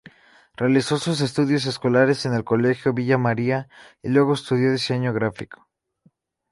Realizó sus estudios escolares en el Colegio Villa María y luego estudió Diseño gráfico.